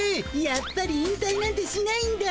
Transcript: やっぱり引たいなんてしないんだ。